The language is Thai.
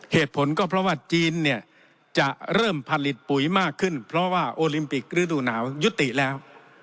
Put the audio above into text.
เหตุผลก็เพราะว่าจีนเนี่ยจะเริ่มผลิตปุ๋ยมากขึ้นเพราะว่าโอลิมปิกฤดูหนาวยุติแล้ว